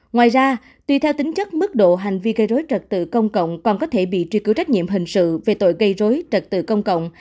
ngoài ra tùy theo tính chất mức độ hành vi gây rối trật tự công cộng còn có thể bị truy cứu trách nhiệm hình sự về tội gây rối trật tự công cộng